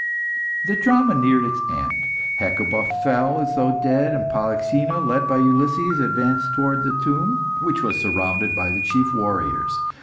The drama neared its end. Hecuba fell as though dead, and Polyxena, led by Ulysses, advanced towards the tomb, which was surrounded by the chief warriors.